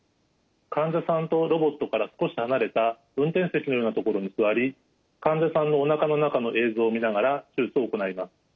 患者さんとロボットから少し離れた運転席のような所に座り患者さんのおなかの中の映像を見ながら手術を行います。